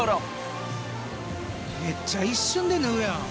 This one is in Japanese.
めっちゃ一瞬で縫うやん。